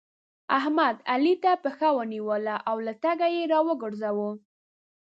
احمد؛ علي ته پښه ونيوله او له تګه يې راوګرځاوو.